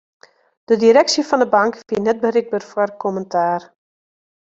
De direksje fan 'e bank wie net berikber foar kommentaar.